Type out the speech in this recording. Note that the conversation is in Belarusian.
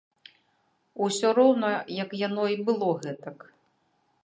Усё роўна як яно й было гэтак.